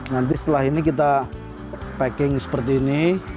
nanti setelah ini kita packing seperti ini